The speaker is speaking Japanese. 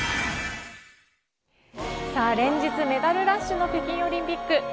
連日メダルラッシュの北京オリンピック。